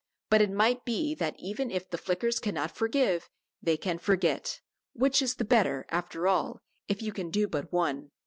But it might be that even if the Flickers cannot forgive, they can forget which is the better, after all, if you can do but one.